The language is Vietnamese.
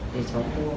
thì cháu mua